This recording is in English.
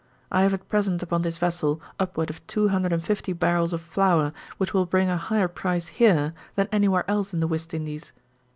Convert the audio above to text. I have at present upon this vessel upward of two hundred and fifty barrels of flour which will bring a higher price here than anywhere else in the West Indies.